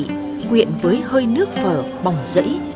nguyện với hơi nước phở bỏng dẫy